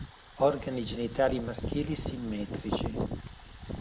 Organi genitali maschili simmetrici.